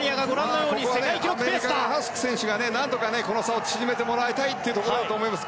ハスク選手が何とかこの差を縮めてもらいたいところだと思います。